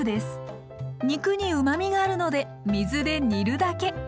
肉にうまみがあるので水で煮るだけ。